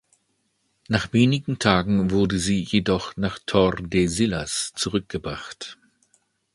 Nach wenigen Tagen wurde sie jedoch nach Tordesillas zurückgebracht.